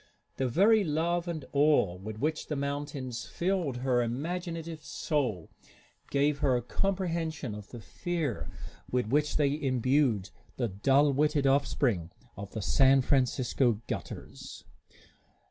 The very love and awe with which the mountains filled her imaginative soul gave her comprehension of the fear with which they imbued the dull witted offspring of San Francisco gutters.